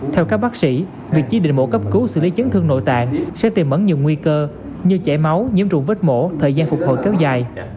theo các bác sĩ việc chi định mổ cấp cứu xử lý chấn thương nội tạng sẽ tìm ẩn nhiều nguy cơ như chảy máu nhiễm trùng vết mổ thời gian phục hồi kéo dài